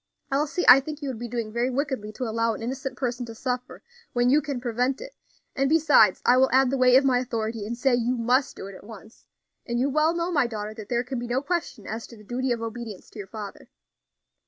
Elsie, I think you would be doing very wickedly to allow an innocent person to suffer when you can prevent it; and besides, I will add the weight of my authority, and say you must do it at once; and you well know, my daughter, that there can be no question as to the duty of obedience to your father."